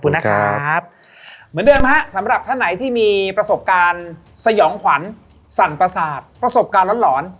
คุณนะครับเหมือนเดิมฮะสำหรับท่านไหนที่มีประสบการณ์สยองขวัญสั่นประสาทประสบการณ์หลอน